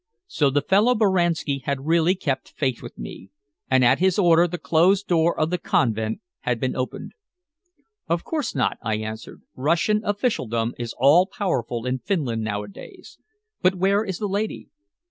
So the fellow Boranski had really kept faith with me, and at his order the closed door of the convent had been opened. "Of course not," I answered. "Russian officialdom is all powerful in Finland nowadays. But where is the lady?"